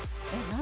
何？